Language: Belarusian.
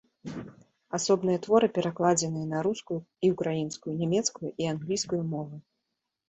Асобныя творы перакладзеныя на рускую і ўкраінскую, нямецкую і англійскую мовы.